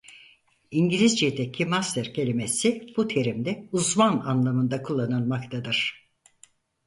İngilizcedeki "master" kelimesi bu terimde "uzman" anlamında kullanılmaktadır.